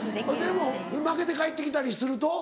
でも負けて帰ってきたりすると？